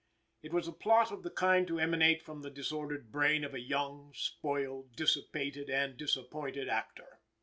It was a plot of the kind to emanate from the disordered brain of a young, spoiled, dissipated and disappointed actor.